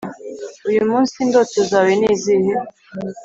uyu munsi indoto zawe ni izihe?